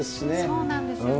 そうなんですよね。